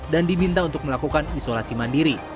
dan diminta untuk melakukan isolasi mandiri